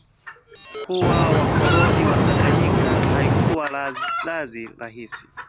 kuwa wakoloni wa Tanganyika haikua kazi rahisi